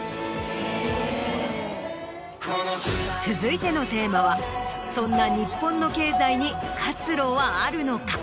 続いてのテーマはそんな日本の経済に活路はあるのか？